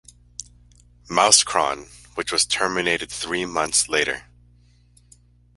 Mouscron, which was terminated three months later.